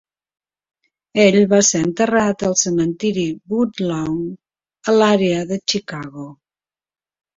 Ell va ser enterrat al Cementiri Woodlawn a l"àrea de Chicago.